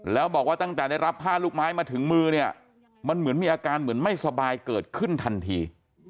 แล้วบอกว่าตั้งแต่ได้รับผ้าลูกไม้มาถึงมือเนี่ยมันเหมือนมีอาการเหมือนไม่สบายเกิดขึ้นทันที